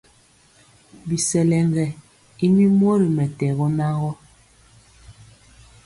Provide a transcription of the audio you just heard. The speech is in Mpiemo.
Bisɛlege y mi mori mɛtɛgɔ nan gɔ.